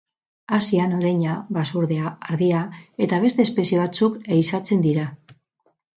Asian, oreina, basurdea, ardia eta beste espezie batzuk ehizatzen dira.